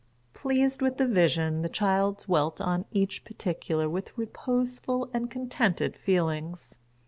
Pleased with the vision, the child dwelt on each particular with reposeful and contented feelings.